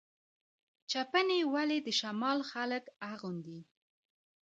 چپنې ولې د شمال خلک اغوندي؟